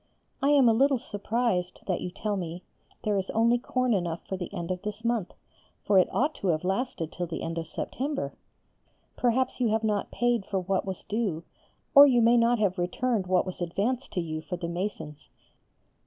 I am a little surprised that you tell me there is only corn enough for the end of this month, for it ought to have lasted till the end of September. Perhaps you have not paid for what was due, or you may not have returned what was advanced to you for the masons.